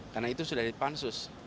karena itu sudah di pansus